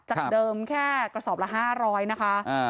จากเดิมแค่กระสอบละ๕๐๐นะคะ